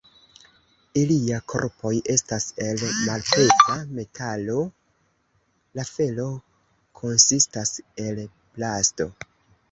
Ilia korpoj estas el malpeza metalo, la felo konsistas el plasto.